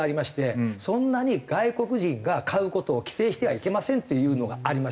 そんなに外国人が買う事を規制してはいけませんっていうのがあります